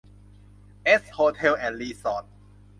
เอส โฮเทล แอนด์ รีสอร์ท